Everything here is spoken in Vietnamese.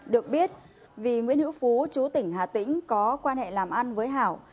được biết vì nguyễn hữu phú chú tỉnh hà tĩnh có quan hệ làm ăn với hảo